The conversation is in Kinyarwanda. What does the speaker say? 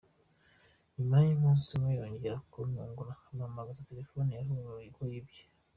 Nyuma y’umunsi umwe yongera kuntungura ampamamagaza telefoni yavugaga ko yibwe.